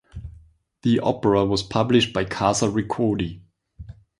The opera was published by Casa Ricordi.